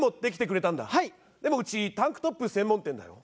でもうちタンクトップ専門店だよ？